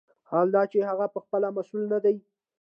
حال دا چې هغه پخپله مسوول نه دی.